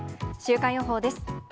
週間予報です。